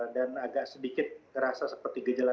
dan agak sedikit terasa seperti gejala